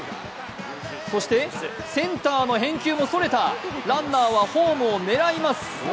そしてセンターの返球もそれた、ランナーはホームを狙います。